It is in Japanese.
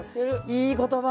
いい言葉。